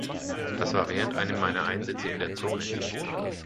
Das war während einem meiner Einsätze in der Zone.